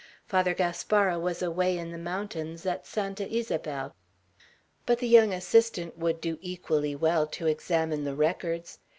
Father Gaspara was away in the mountains, at Santa Ysabel. But the young assistant would do equally well, to examine the records.